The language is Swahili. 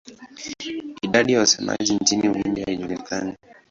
Idadi ya wasemaji nchini Uhindi haijulikani.